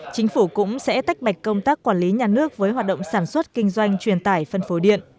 chính phủ cũng sẽ tách bạch công tác quản lý nhà nước với hoạt động sản xuất kinh doanh truyền tải phân phối điện